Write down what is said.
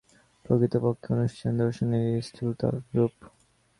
প্রকৃতপক্ষে অনুষ্ঠান দর্শনেরই স্থূলতর রূপ।